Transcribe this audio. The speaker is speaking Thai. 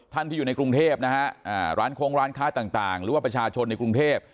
ที่อยู่ในกรุงเทพนะฮะร้านโค้งร้านค้าต่างหรือว่าประชาชนในกรุงเทพ